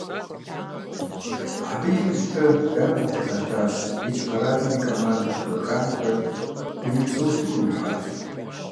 Абы иужькӏэ, дауи, гу къылъатащ икӏи къэралым и командэ къыхэхам хэту дунейпсо утыкухэм ихьащ.